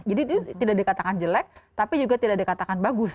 jadi itu tidak dikatakan jelek tapi juga tidak dikatakan bagus